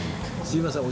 すいません。